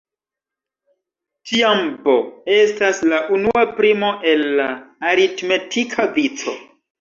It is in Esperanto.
Tiam "b" estas la unua primo en la aritmetika vico.